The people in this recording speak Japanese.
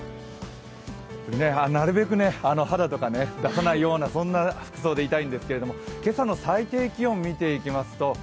なるべく肌とか出さないような服装でいたんですけども、今朝の最低気温を見ていきます。